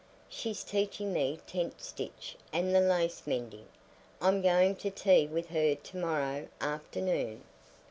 She's teaching me tent stitch and the lace mending. I'm going to tea with her to morrow afternoon."